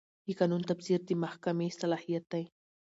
د قانون تفسیر د محکمې صلاحیت دی.